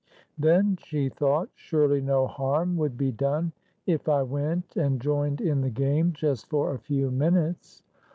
Then she thought, "Surely no harm would be done if I went and joined in the game just for a few minutes."